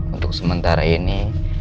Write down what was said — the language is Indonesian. untuk sementara ini